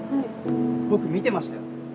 僕、見てましたよ。